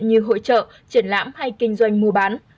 như hội trợ triển lãm hay kinh doanh mua bán